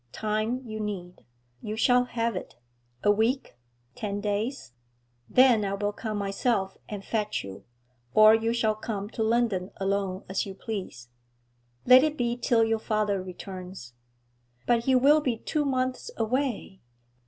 Time you need. You shall have it; a week, ten days. Then I will come myself and fetch you, or you shall come to London alone, as you please.' 'Let it be till your father returns.' 'But he will be two months away.'